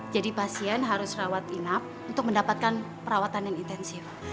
jadi pasien harus rawat inap untuk mendapatkan perawatan yang intensif